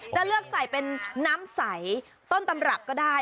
จะเลือกใส่เป็นน้ำใสต้นตำรับก็ได้